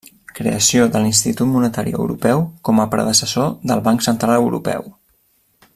Creació de l'Institut Monetari Europeu, com a predecessor del Banc Central Europeu.